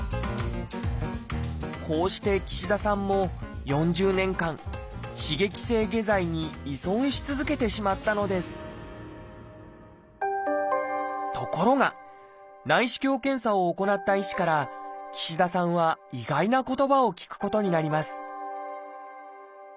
こうして岸田さんも４０年間刺激性下剤に依存し続けてしまったのですところが内視鏡検査を行った医師から岸田さんは意外な言葉を聞くことになります